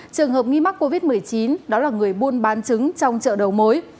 trường hợp nghi mắc covid một mươi chín đó là người buôn bán trứng trong chợ đầu mối